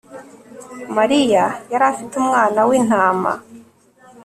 mariya yari afite umwana w'intama